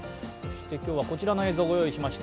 今日はこちらの映像をご用意しまいりました。